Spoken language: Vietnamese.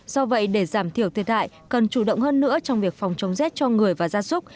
do vậy để giảm thiểu thiệt hại cần chủ động hơn nữa trong việc phòng chống rét cho người và gia súc